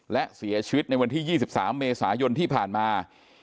และเสียชีวิตในวันที่๒๓เมษายนที่ผ่านมา